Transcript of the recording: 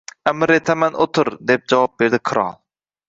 Amr etaman: o‘tir! — deb javob berdi qirol va